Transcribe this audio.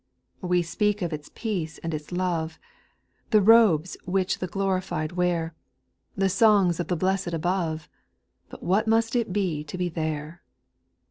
"We speak of its peace and its love, The robes which the glorified wear, The songs of the blessed above — But what must it be to be there 1 4.